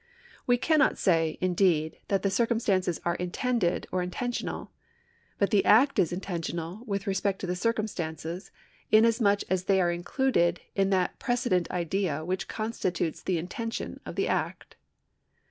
We cannot say, indeed, that the circumstances are intended or intentional ; but the act is intentional with respect to the circumstances, inasmuch as they are included in that pre cedent idea which constitutes the intention of the act.